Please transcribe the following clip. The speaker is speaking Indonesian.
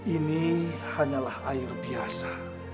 ini hanyalah air biasa